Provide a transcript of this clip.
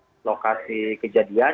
di mana mereka bisa berada di sekolah